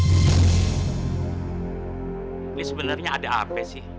ini sebenarnya ada apa sih